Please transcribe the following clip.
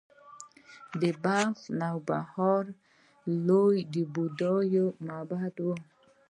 د بلخ نوبهار لوی بودايي معبد و